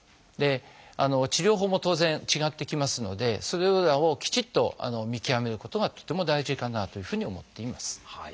で治療法も当然違ってきますのでそれらをきちっと見極めることがとっても大事だなというふうに思っています。